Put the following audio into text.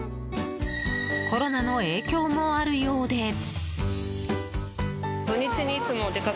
コロナの影響もあるようで。